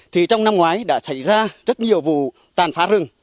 thì trong năm ngoái đã xảy ra rất nhiều vụ tàn phá rừng